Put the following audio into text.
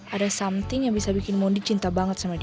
ada something yang bisa bikin mudik cinta banget sama dia